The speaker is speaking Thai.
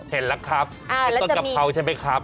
เห็นแล้วครับเป็นต้นกะเพราใช่ไหมครับ